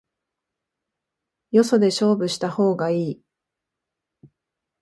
よそで勝負した方がいい